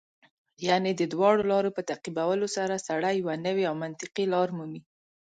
یعنې د دواړو لارو په تعقیبولو سره سړی یوه نوې او منطقي لار مومي.